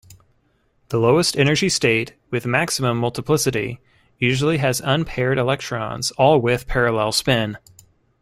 The lowest-energy state with maximum multiplicity usually has unpaired electrons all with parallel spin.